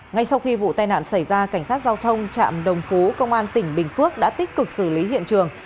ngay sau khi vụ tai nạn xảy ra cảnh sát giao thông trạm đồng phú công an tỉnh bình phước đã tích cực xử lý hiện trường